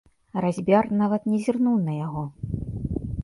Разьбяр нават не зірнуў на яго.